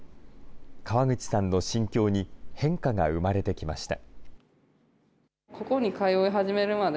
川口さんの心境に変化が生まれてきました。